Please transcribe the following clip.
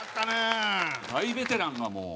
大ベテランがもう。